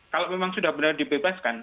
kalau memang sudah benar dibebaskan